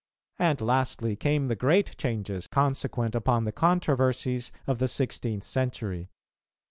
And lastly came the great changes consequent upon the controversies of the sixteenth century.